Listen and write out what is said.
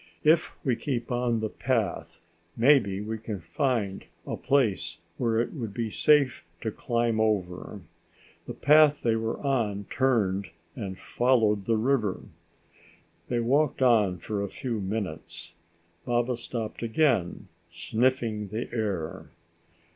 If we keep on the path, maybe we can find a place where it would be safe to climb over." The path they were on turned and followed the river. They walked on for a few minutes. Baba stopped again, sniffing the air.